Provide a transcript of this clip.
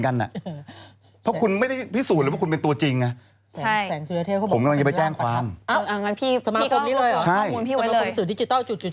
สมาคมสื่อดิจิทัลจุด